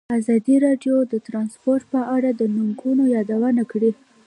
ازادي راډیو د ترانسپورټ په اړه د ننګونو یادونه کړې.